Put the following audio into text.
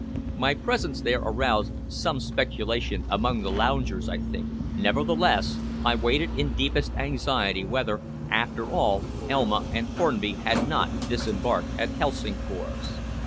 My presence there aroused some speculation among the loungers, I think; nevertheless, I waited in deepest anxiety whether, after all, Elma and Hornby had not disembarked at Helsingfors.